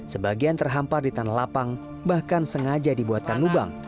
sebagian terhampar di tanah lapang bahkan sengaja dibuatkan lubang